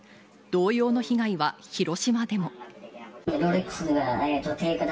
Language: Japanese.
同様の被害は広島でも。